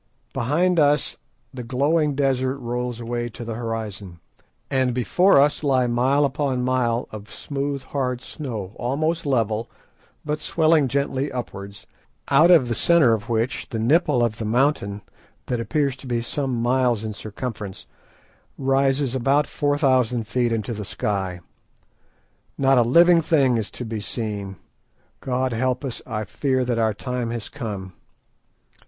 Behind us the glowing desert rolls away to the horizon, and before us lie mile upon mile of smooth hard snow almost level, but swelling gently upwards, out of the centre of which the nipple of the mountain, that appears to be some miles in circumference, rises about four thousand feet into the sky. Not a living thing is to be seen. God help us; I fear that our time has come."